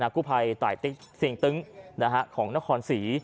กูภัยต่ายสิ่งตึ๊งของนครศรี